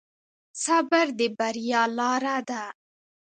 صبر د بریا لاره ده.